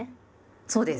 そうです。